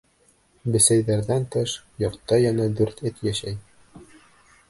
Бесәйҙәрҙән тыш, йортта йәнә дүрт эт йәшәй.